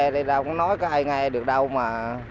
thì đâu có nói có ai nghe được đâu mà